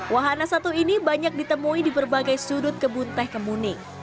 wahana satu ini banyak ditemui di berbagai sudut kebun teh kemuning